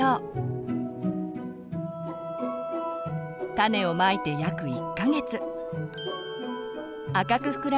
種をまいて約１か月。